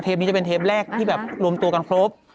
นี้จะเป็นเทปแรกที่แบบรวมตัวกันครบ